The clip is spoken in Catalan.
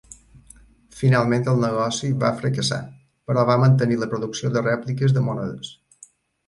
Finalment el negoci va fracassar, però va mantenir la producció de rèpliques de monedes.